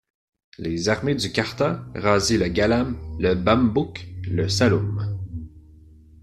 Les armées du Kaarta razzient le Galam, le Bambouk, le Saloum.